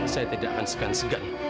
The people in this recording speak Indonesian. saya tidak akan segan segan